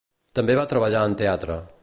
També va treballar en teatre.